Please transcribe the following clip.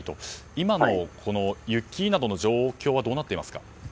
今の雪などの状況はどうなっていますか。